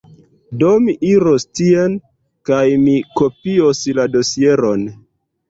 Do mi iros tien, kaj mi kopios la dosieron.